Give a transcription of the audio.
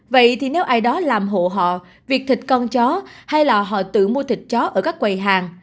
vậy thì nếu ai đó làm hộ họ việc thịt con chó hay là họ tự mua thịt chó ở các quầy hàng